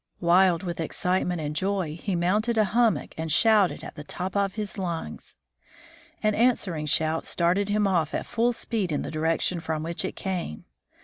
Wild with excitement and joy, he mounted a hummock and shouted at the top of his lungs. An answering shout started him off at full speed in the direction from which it came.